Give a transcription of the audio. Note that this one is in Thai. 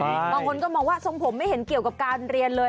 บางคนก็มองว่าทรงผมไม่เห็นเกี่ยวกับการเรียนเลย